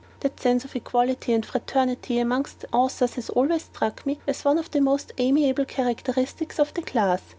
That sense of equality and fraternity amongst authors has always struck me as one of the most amiable characteristics of the class.